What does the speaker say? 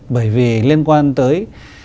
bởi vì liên quan tới